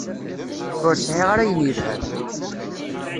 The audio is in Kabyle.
Ur sɛiɣ ara ayen yelhan.